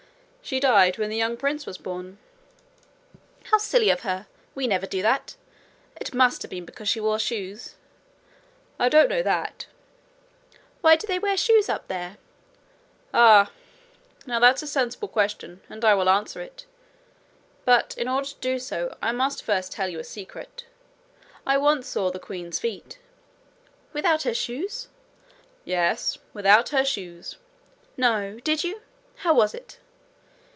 'She died when the young prince was born.' 'How silly of her! We never do that. It must have been because she wore shoes.' 'I don't know that.' 'Why do they wear shoes up there?' 'Ah, now that's a sensible question, and I will answer it. But in order to do so, I must first tell you a secret. I once saw the queen's feet.' 'Without her shoes?' 'Yes without her shoes.' 'No! Did you? How was it?'